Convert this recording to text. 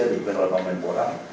yang diperoleh oleh memen porang